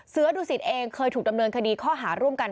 เสือดุสิตเองเคยถูกดำเนินคดีข้อหาร่วมกัน